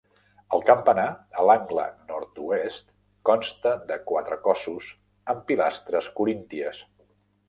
El campanar, a l'angle nord-oest, consta de quatre cossos, amb pilastres corínties.